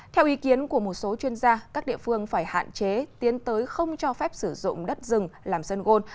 theo ý kiến của một số chuyên gia các địa phương phải hạn chế tiến tới không cho phép sử dụng đất rừng làm sân gôn